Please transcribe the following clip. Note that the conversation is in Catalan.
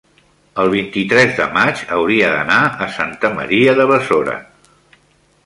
el vint-i-tres de maig hauria d'anar a Santa Maria de Besora.